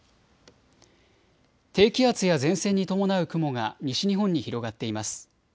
低気圧や前線に伴う雲が西日本に広がっています。